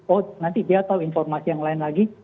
oh nanti dia tahu informasi yang lain lagi